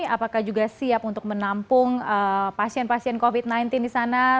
apakah juga siap untuk menampung pasien pasien covid sembilan belas di sana